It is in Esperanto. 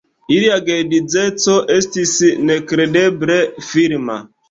Ilia geedzeco estis nekredeble firma.